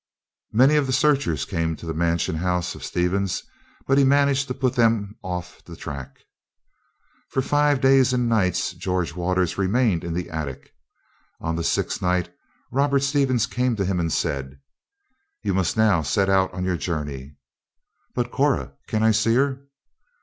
Many of the searchers came to the mansion house of Stevens; but he managed to put them off the track. For five days and nights George Waters remained in the attic. On the sixth night Robert Stevens came to him and said: "You must now set out on your journey." "But Cora can I see her?"